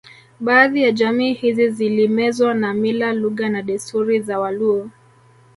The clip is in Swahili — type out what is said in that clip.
Baadhi ya jamii hizi zilimezwa na mila lugha na desturi za Waluo